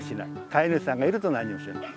飼い主さんがいると何もしない。